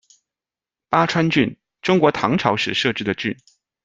巴川郡，中国唐朝时设置的郡。